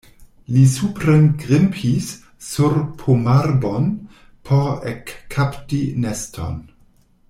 Li suprengrimpis sur pomarbon por ekkapti neston.